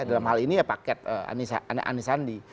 dalam hal ini ya paket anisandi